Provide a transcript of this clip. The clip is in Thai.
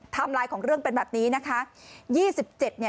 ไลน์ของเรื่องเป็นแบบนี้นะคะ